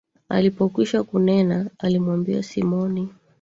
Alipokwisha kunena, alimwambia Simoni.